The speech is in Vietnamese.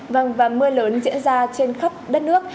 vâng và mưa lớn diễn ra trên khắp đất nước